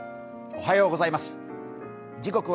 おはようございます。